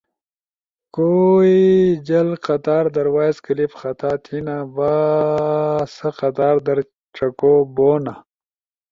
کوئی جل قطار در وائس کلپ خطا تھے نا باسہ قطار در چکو بہنُو۔